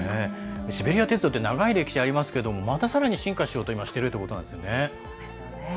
シベリア鉄道って長い歴史ありますけれどもまたさらに進化しようとしてるってことなんですよね。